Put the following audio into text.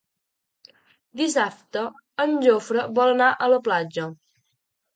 Dissabte en Jofre vol anar a la platja.